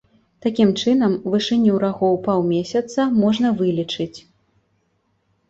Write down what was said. Такім чынам, вышыню рагоў паўмесяца можна вылічыць.